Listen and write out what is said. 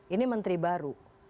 ini menteri baru